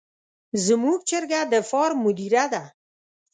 زموږ چرګه د فارم مدیره ده.